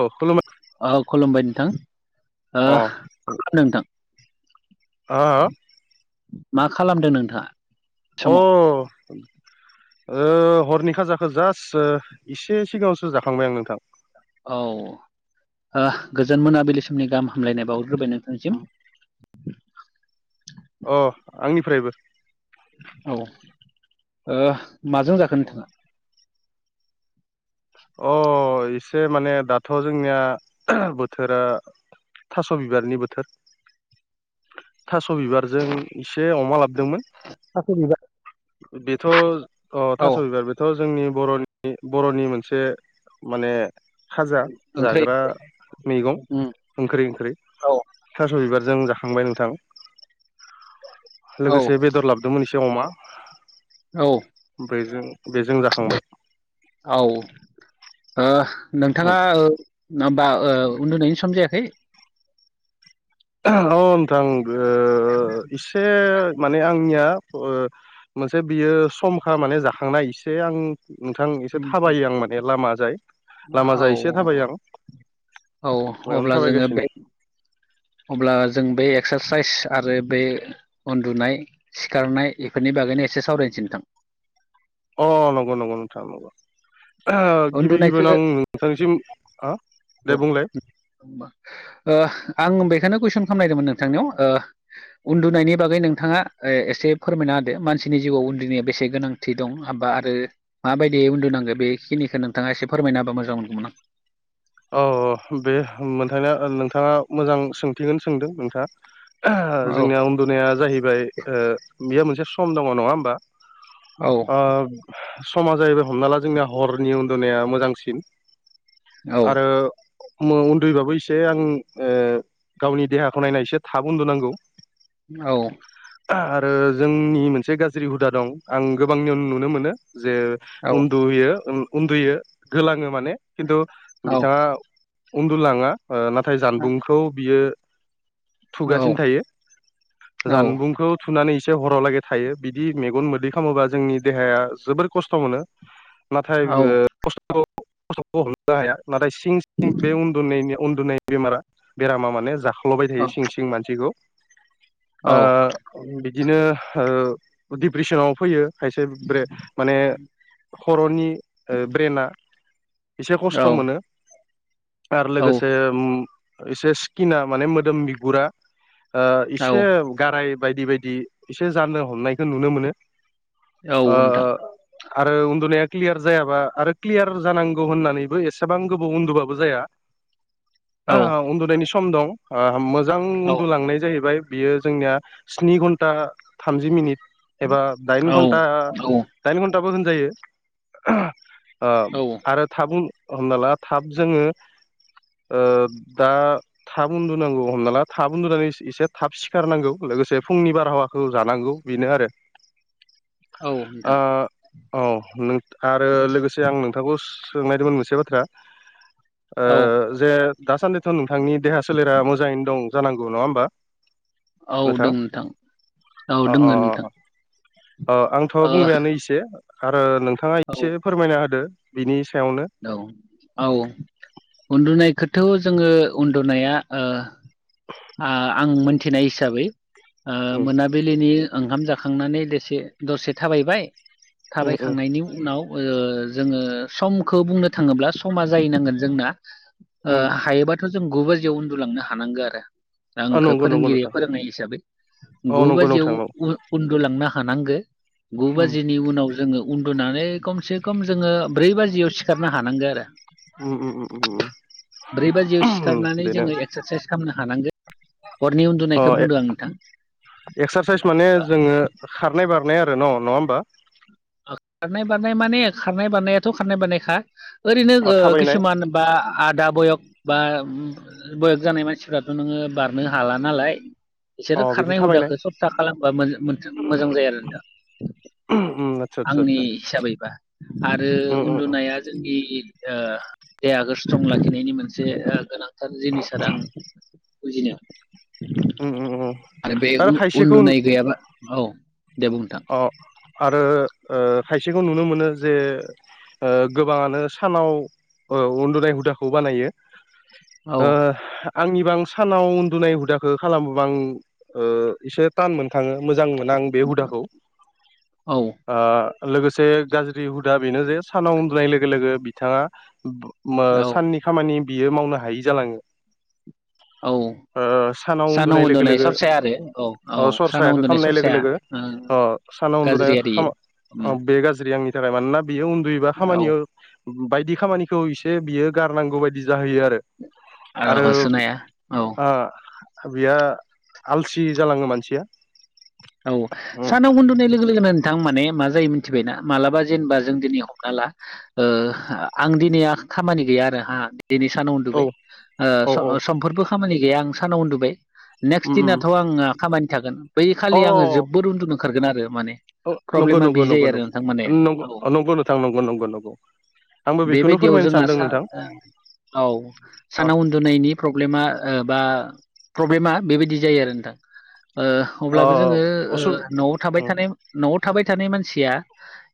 औ खुलुमबाय औ खुलुमबाय नोंथां अ ओह हो [unintelligible] नोंथां अ मा खालामदो नोंथाङा? अ समाव ओ हरनि खाजाखो जास ओ इसे सिगाङावसो जाखांबाय आं नोंथां। औ ओह गोजोन मोनाबिलि समनि गाहाम हामलायनाय बावहरगोरबाय नोंथांसिम [unintelligible] अह आंनिफ्रायबो औ ओ माजों जाखो नोंथाङा अ इसे माने दाथ' जोंनिया [unintelligible] बोथोरा थास' बिबारनि बोथोर थास' बिबारजों इस से अमा लाबदोंमोन थास' बिबार बेथ' ज अ औ थास' बिबार बोथ' ज जोंनि बर'नि बर'नि मोनसे माने खाजा ओंख्रै जाग्रा मेगं उम ओंख्रै ओंख्रै औ थास' बिबार जों जाखांबाय नोंथां औ लोगोसे बेदर लाबदोंमोन एस [unintelligible] अमा औ। बेजों बेजों जाखांबाय। ओह नोंथाङा ओ [unintelligible] माब्बा उन्दुनायनि सम जायाखै? [unintelligible] अ नोंथां गो [unintelligible] इसे माने आंनिया ओ मोनसे बियो समखा माने जाखांनाय इसे आं नोंथां इसे थाबायो आं माने लामाजाय औ लामाजा इसे थाबायो आं औ बयावनो अब्ला जोङो थाबायगासिनो बे अब्ला ज जों बे एक्सासाइस आरो बे उन्दुनाय सिखारनाय इफोरनि बागैनो एसे सावराय [unintelligible] सै नोंथां अ नंगौ नंगौ नोंथां नंगौ। ओहो गिबि उन्दुनायखौ गिबियावनो आं नोंथांनिसिम आ अह उम ओह आं बेखायनो कुइसन खामनायदोंमोन नोंथांनियाव ओह उन्दुनायनि बागै नोंथाङा ओ एसे फोरमायना होदो मानसिनि जिउआव उन्दुनाया बेसे गोनांथि दं आ [unintelligible] बा आरो माबायदियै उन्दुनांगो बेखिनिखो नोंथाङा एसे फोरमायना होबा मोजां मोनगौमोन आं औ अह बे होम मोनथांनिया ओ नोंथाङा मोजां सोंथिखोनो सोंदो नोंथाङा ओहो औ जोंनिया उन्दुनाया जाहैबाय ओ बेयो मोनसे सम दङ' नङा होमबा औ ओब समा जाहैबाय हमना ला जोंनिया हरनि उन्दुनाया मोजांसिन औ आरो ङाव उन्दैबाबो एसे आं ओ गावनि देहाखौ नायना एसे थाब उन्दुनांगौ औ। आरो जों नि मोनसे गाज्रि हुदा दं आं गोबांनियावनो नुनो मोनो जे औ उन्दुयो ओम उन्दुयो गोलाङो माने किन्तु औ बिथाङा उन्दुलाङा नाथाय जानबुंखौ बियो थुगासिनो थायो औ जानबुंखौ थुनानै एसे हराव लागै थायो बिदि मेगन मोदै खालामोबा जोंनि देहाया जोबोर खस्थ' मोनो। नाथाय ओ खसथ' खसथ'खौ हमनो हाया। नाथाय सिं सिं बे उन्दुनायनि उन्दुनाय बेमारा बेरामा माने जाखो लांबाय थायो सिं सिं मानसिखौ। ओ बिदिनो ओ दिप्रेसनाव फैयो। खायसे ब्रेन माने खर'नि ओ ब्रेनाआ एसे खस्थ' मोनो आरो औ लोगोसे एसे स्किना माने मोदोम बिगुरा ओ औ एसे गाराय बायदि बायदि एसे जानो हमनायखौ नुनो मोनो। औ ओ नोंथां। आरो उन्दुनाया क्लियार जायाबा आरो क्लियार जानांगौ होननानैबो एसे एसेबां गोबाव उन्दुबाबो जाया औ उन्दुनायनि सम दं। ओ मोजां औ उन्दुलांनाय जाहैबाय बियो जोंनिया स्नि घन्टा थामजि मिनिट एबा औ दाइनघटा औ दाइघन्टा होनजायो औ आरो थाब हमना ला थाब जोङो ओ दा थाब उन्दुनांगौ हमना ला थाब उन्दुनानै एसे थाब सिखारनांगौ लोगोसे फुंनि बारहावाखौ जानांगौ बेनो आरो। औ नोंथां। ओ औ नों आरो लोगोसे आं नोंथांखौ सोंनायदोंमोन मोनसे बाथ्रा। ओ औ जे दासान्दिथ' नोंथांनि देहा सोलेरा मोजाङैनो दं जानांगौ नङा होमबा? औ नोंथां दों औ अ अ दोङो नोंथां अ। अ आंथ' ओ बुंबायानो एसे आरो नोंथाङा औ एसे फोरमायना होदो बिनि सायावनो औ औ उन्दुनायखौथ' जोङो उन्दुनाया ओ आं मोनथिनाय हिसाबै ओ उम मोनाबिलिनि ओंखाम जा खांनानै दसे दसे थाबायबाय उम उम थाबायखांनायनि उनाव ओ जोङो समखौ बुंनो थाङोब्ला समा जाहैनांगोन जोंना ओ उम हायोबाथ' जों गुबाजिआवनो जों उन्दुलांनो हानांगोन आरो। ओ आंखौ नंगौ नंगौ फोरोंगिरिया नोंथां फोरोंनाय हिसाबै औ गु नंगौ नोंथां औ बाजियाव उन्दुलांनो हा नांगो गु उम बाजिनि उनाव जोङो उन्दुनानै खमसे खम जोङो ब्रै बाजियाव सिखारनो हानांगो आरो। उम उम उम ब्रै बाजियाव उम उम सिखारनानै बेनो। जोङो एक्सारसाइस खालामनो हानांगोन हरनि अ उन्दुनायखौ बुंदों आं नोंथां एक्सारसाइस माने जोङो खार नाय बारनाय आरो न' नङा होमबा? खारनाय बारनाय माने खारनाय बारनायाथ' खारनाय बारनायखा ओरैनो ओ अ थाबायनाय किसुमान बा आदा बयग बा बयेक जानाय मानसिफ्राथ' नोङो बारनो हाला नालाय अ बिसोरो बिदि खारनाय थाबायनाय हुदाखौ सेस्ता खालामबा मोजां जायो आरो नोंथां। उम आदसा आदसा आंनि आदसा हिसाबैबा आरो उम उम उन्दुनाया जोंनि ओ देहाखौ स्ट्रं लाखिनायनि मोनसे ओ गोनांथार जिनिस आरो आं बुजियो उम उम उम आरो बे उन्दुनाय गैयाबा औ दे बुं नोंथां। अ आरो ओ खायसेखौ नुनो मोनो जे ओ गोबाङानो सानाव उन्दुनाय हुदाखौ बानायो औ ओ आंनिबा आं सानाव उन्दुनाय हुदाखौ खालामोबा आं ओ एसे थान मोनखाङो मोजां मोना आं बे हुदाखौ। औ लोगोसे गाज्रि हुदा बेनो जे सानाव उन्दुनाय लोगो लोगो बिथांङा औ साननि खामानि बियो मावनो हायि जालांङो औ सानाव लोगो उन्दुनाय लोगो सरसाया आरो औ औ सानाव उन्दुनाय सरसाया साना उन्दुनाय गाज्रि आरो इयो उम बे गाज्रि आंनि थाखाय मानोना बेयो उन्दुयोबा औ खामानियाव बायदि खामानिखौ इसे बियो गारनांगौ बायदि जाहैयो आरो आरो होसोनाया औ अओ बेहा आलसि जालांङो मानसिया औ उम सानाव उन्दुनाय लोगो लोगो नो बिथां माने मा जायो मिथिबायना मालाबा जेनेबा जों दिनै हमना ला आं दिनै खामानि गैया आरो हा दिनै सानाव औ उन्दुबाय औ औ समफोरबो खामानि गैया आं सानाव उन्दुबाय नेक्स्ट उम उम दिनाथ' आंङो खामानि थागोन बै अ खालि आंङो जोबबोद उन्दुनो ओंखारगोन आरो माने नंगौ प्रब्लेमा नंगौ बे नंगौ जायो आरो नगौ नोंथां माने न औ नगौ नोंथां नंगौ नगौ बेबायदियाव जोंहा सा औ अ सानाव उन्दुनायनि प्रब्लेमा बा प्रब्लेमा बेबायदि जायो आरो नोंथां अ अब्लाबो जोंङो असु न'आव थाबाय उम थानाय न'आव थाबाय थानाय मानसिया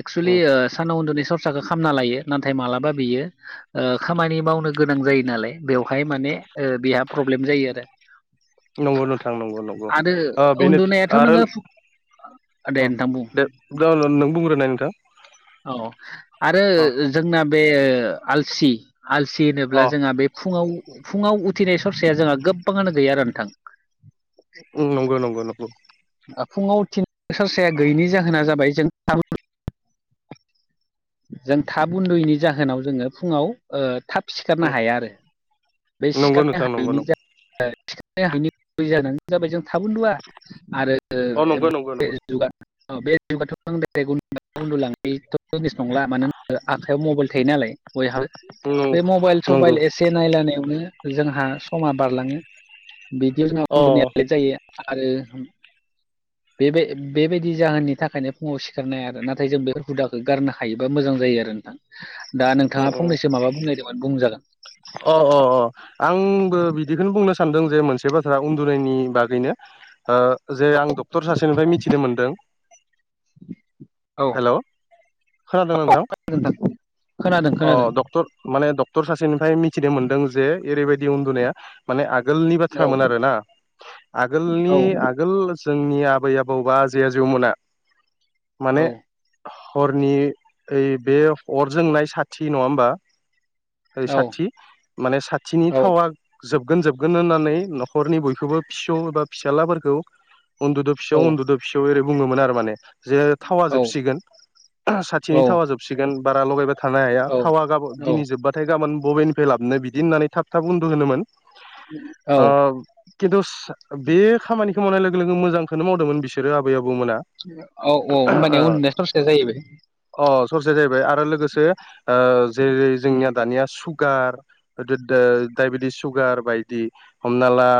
एक्सुवलि उम सानाव उन्द नि समा बाथ्राखौ खालामना लायो नाथाय मालाबा बियो खामानि मावनो गोनां जायो नालाय बेवहाय माने बेहा प्रब्लेम जायो आरो नंगौ नोंथां नंगौ नंगौ ओ आरो बेनो उन्दुनायाथ' आरो नोङो दे नोंथां बुं दे र रं नों बुंग्रोननाय नोंथां औ आरो अ जोंना बे आलसि आलसि अ होनोब्ला जोंहा बे फुंङाव फुंङाव उथिनाय सरसाया जोंहा गोबबांङानो गैया आरो नोंथां ओम नंगौ नंगौ नंगौ फुंङाव थिन बोसोरसाया गैयिनि जाहोना जाबाय जों जों थाब उन्दैनि जाहोनाव जोंङो फुङाव थाब उम सिखारनो हाया आरो बे नंगौ सिखारनो नोंथां नंगौ हायैनि नंगौ सिखारनो हायै गुबै जाहोना जाबाय जों थाब उन्दुया आरो अ नंगौ नंगौ नंगौ बे जुथ' उ उन्दुलांनायथ' जिनिस नंला मानो होनोबा आखाइयाव मबाइल थायो नालाय बयहाबो उम बे मबाइल नंगौ सबाइल एसे नायलानायावनो जोंहा समा बारलांङो बिदिनो अ उनाव उले जायो आरो बे बेबायदि जाहोननि थाखायनो फुंङाव सिखारनाय आरो नाथाय जों बे हुदाखौ गारनो हायोबा मोजां जायो आरो नोंथां दा उम नोंथांङा उम फंनैसो माबा बुंनायदोंमोन बुंजागोन अ अ अ आंबो बिदिखौनो बुंनो सानदों जे मोनसे बाथ्रा उन्दुनायनि बागैनो जे आं डक्टर सासेनिफ्राय मिथिनो मोनदों हेल' औ खोनादों ना नोंथां? खोनादों अ खोनादों डक्टर माने डक्टर सासे मोनदों जे ओरै बायदि उन्दुनाया आगोलनि औ बाथ्रामोन आरोना आगोलनि औ आगोल जोंनि आबै आबौ बाजै आजौमोना औ माने हरनि ओइ बे अर जोंनाय साथि नंङा होमबा ओै साथि माने साथिनि औ थावा जोबगोन जोबगोन होननानै न'खरनि बयखौबो फिसौ एबा फिसाजलाफोरखौ उन्दुदो फिसौ औ उन्दुदो फिसौ ओरै बुंङोमोन आरो माने जे थावा औ जोबसिगोन साथिनि थावा जोबसिगोन बारा लगायबाय थानो हाया थावा गाब औ दिनै जोब्बा गाबोन बबेनिफ्राय लाबोनो बिदि होननानै थाब थाब उन्दु होदोंमोन औ खिन्थु बे खामानिखौ मावनाय लोगो लोगो मोजांखौनो मावदोंमोन बिसोरो आबै आब औ औ होमबानिया उननि सरसया जाहैबाय अ सरसे जाहैबाय आरो लोगोसे ओ जेरै जोंनिया दानिया सुगार, डायेबेथिस, सुगार बायदि हमनाला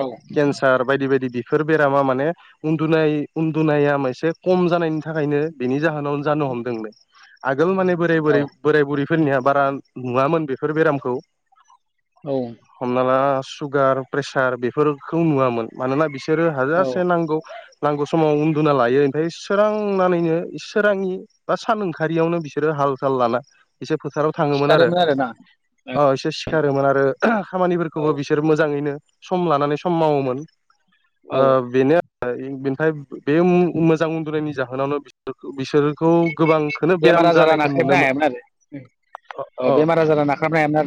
औ केन्सार बायदि बायदि बि बेफोर बेरामा माने उन्दुनाय उन्दुनाया मोनसे खम जानायनि थाखायनो बेनि जा होनावनो जानो हमदोंलै आगोल माने बोराय बोर औ बोराय बुरैफोरनिहा बारा नुवामोन बेफोर बेरामखौ औ हमना ला सुगार, प्रेसार बेफोरखौ नुवामोन मानोना बिसोरो औ हाजासे नांगौ नांगौ समाव उन्दुना लायो ओमफ्राय सोरांनानैनो सोरांनि बा सान ओंखारारियावनो बिसोरो थाल साल लाना एसे फोथाराव थाङोमोन आरो। अ सिखारोमोन आरोना एसे सिखारोमोन आरो औ खामानिफोरखौबो बिसोर मोजाङैनो सम लानानै सम मावोमोन औ ओ बेनो आरो बेनिफ्राय बे मोजां उन्दुनायनि जाहोनावनो बिसोर बिसोर खौ गोबांखौनो बेमार बेराम आजारा जानायखौ नाख्रेबनो नुनोमोना हायामोन आरो औ बेमार आजारा नाख्रेबनो हायामोन आरो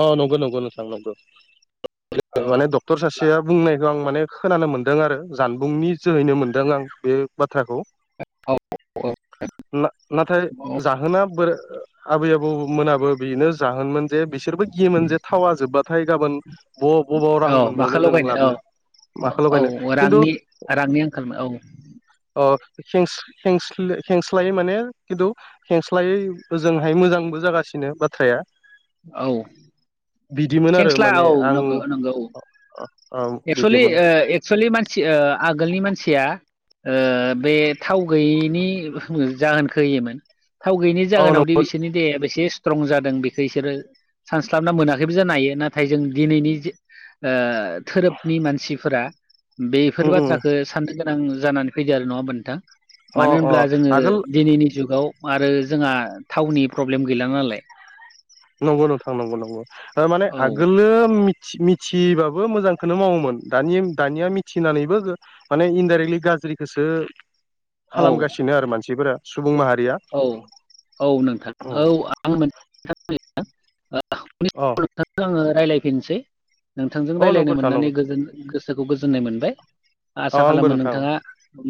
अ नंगौ नंगौ नोंथां नंगौ आरो औ माने डक्टर सासेया बुंनायखौ आं माने खोनानो मोनदों आरो जानबुंनि जोहैनो मोनदों आं बे बाथ्रा खौ औ ना नाथाय औ जाहोना बोर आबै आबौमोनाबो बेनो जाहोनमोन। जे बिसोरबो गियोमोन जे थावा जोब्बाथाय गाबोन ब बबाव रां औ औ माखौ मोनबावनो जों लगायनो लाबोनो। औ औ औ रांनि रांनि आंखालनो औ। अ खें-खें-खेंस्लायै माने खिन्थु खेंस्लायै ओजोंहाय मोजांबो जागासिनो बिनो बाथ्राया औ बिदिमोन आरो खेंस्ला माने औ आं नोंगौ नंगौ औ। औ एक्सेलि बिदिमोन एक्सेलि मानसि ओ आगोलनि मानसिया ओ बे थाव गैयैनि जाहोनखौ होयोमोन। थाव गैनि औ जागोनावदि नंगौ बिसोरनि देहाया बेसे स्ट्रं जादों बेखौ बिसोरो सानस्लाबना मोनाखैबो जानो हायो नाथाय जों दिनैनि ओ धोरोमनि मानसिफोरा बेफोर उम उम बाथ्राखौ साननो गोनां जानानै फैदों आरो नङा होमबा नोंथां? अ मानो अ होनब्ला जोङो आगोल दिनैनि जुगाव आरो जोंहा थावनि प्रब्लेम गैला नालाय। नंगौ नथां नंगौ नंगौ ओ माने औ आगोलो मिथिबाबो मोजांखौनो मावोमोन दानिया दानिया मिथिनानैबो माने इनडरेक्टलि गाज्रिखौसो औ खालामगासिनो आरो मानसिफोरा सुबुं माहारि औ औ नोंथां औ आं मोनसेथ अ नोंथांजों आङो रायज्लायफिनसै नोंथांजों अ रायज्लायनो नंगौ नोंथां मोननानै नंगौ गोजोन गोसोखौ गोजोननाय मोनबाय। अ आसा आंबो खालामो नोंथां नोंथाङा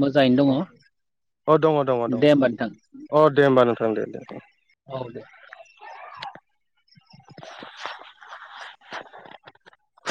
मोजाङैनो अ अ दङ दङ। दङ दे होमबा नोंथां। अ दे होमबा नोंथां दे दे दे। औ दे [inaudible]